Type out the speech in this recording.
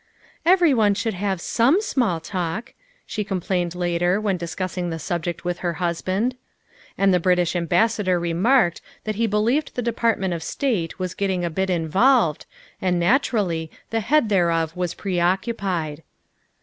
" Everyone should have some small talk," she com plained later when discussing the subject with her hus band. And the British Ambassador remarked that he be lieved the Department of State was getting a bit in volved, and naturally the head thereof was preoccupied.